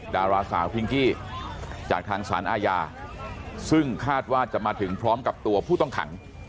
ดาราสาวพิงกี้จากทางสารอาญาซึ่งคาดว่าจะมาถึงพร้อมกับตัวผู้ต้องขัง